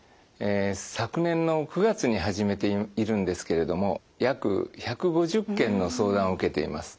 昨年の９月に始めているんですけれども約１５０件の相談を受けています。